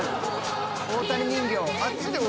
大谷人形。